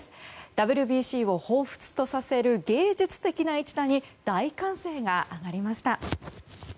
ＷＢＣをほうふつとさせる芸術的な一打に大歓声が上がりました。